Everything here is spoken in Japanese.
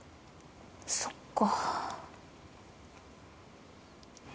そっか。